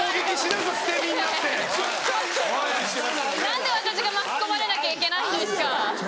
何で私が巻き込まれなきゃいけないんですか！